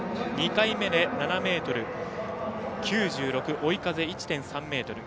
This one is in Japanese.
２回目、７ｍ９６追い風１．３メートル。